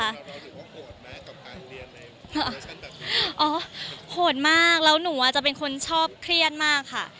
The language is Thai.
แล้วหัวหนูว่าโหดแม่กับการเรียนไหนอ๋อโหดมากแล้วหนูอาจจะเป็นคนชอบเครียดมากค่ะ